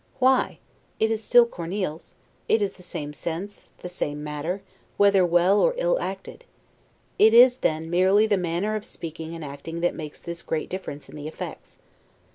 Why? It is still Corneille's; it is the same sense, the same matter, whether well or ill acted. It is, then, merely the manner of speaking and acting that makes this great difference in the effects.